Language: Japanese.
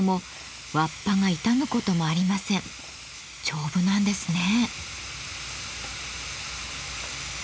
丈夫なんですね。